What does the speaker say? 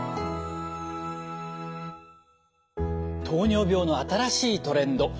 糖尿病の新しいトレンド。